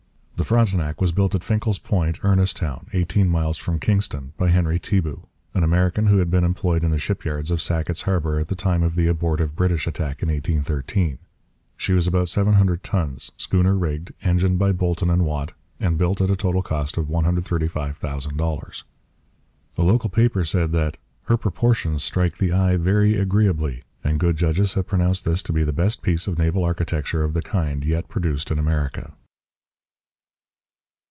The Frontenac was built at Finkles Point, Ernestown, eighteen miles from Kingston, by Henry Teabout, an American who had been employed in the shipyards of Sackett's Harbour at the time of the abortive British attack in 1813. She was about seven hundred tons, schooner rigged, engined by Boulton and Watt, and built at a total cost of $135,000. A local paper said that 'her proportions strike the eye very agreeably, and good judges have pronounced this to be the best piece of naval architecture of the kind yet produced in America.'